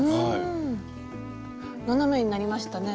斜めになりましたね。